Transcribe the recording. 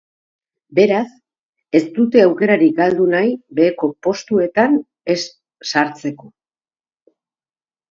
Beraz, ez dute aukerarik galdu nahi, beheko postuetan ez sartzeko.